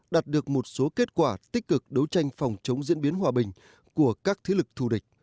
đạt được một số kết quả tích cực đấu tranh phòng chống diễn biến hòa bình của các thế lực thù địch